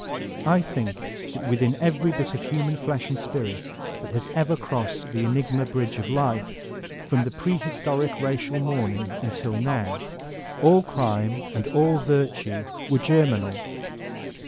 I think that within every bit of human flesh and spirit that has ever crossed the enigma bridge of life, from the prehbtoric racial morn ing until now, all crime and all virtue were germinal.